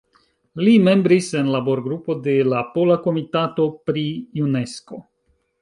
Li membris en Labor-Grupo de la Pola Komitato pri Unesko.